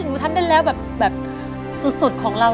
มีท่ามด้วยแล้วแบบแบบสุดสุดของเรา